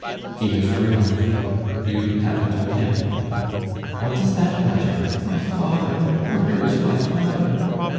"He has ruined you, you haven't a penny." "What does that matter? My father! Where is my father?"